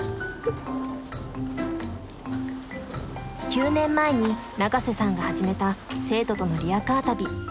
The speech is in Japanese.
９年前に永瀬さんが始めた生徒とのリヤカー旅。